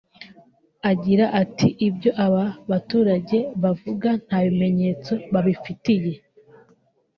Agira ati “ibyo aba baturage bavuga nta bimenyetso babifitiye